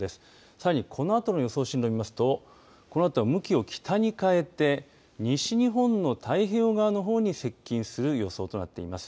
さらにこのあと予想進路見ますとこのあとは向きを北に変えて西日本の太平洋側の方に接近する予想となっています。